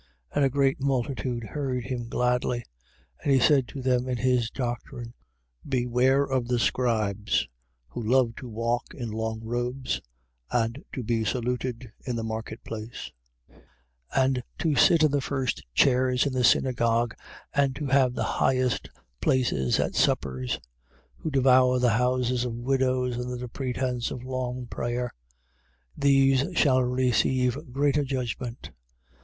And a great multitude heard him gladly. 12:38. And he said to them in his doctrine: Beware of the scribes, who love to walk in long robes and to be saluted in the marketplace, 12:39. And to sit in the first chairs in the synagogues and to have the highest places at suppers: 12:40. Who devour the houses of widows under the pretence of long prayer. These shall receive greater judgment.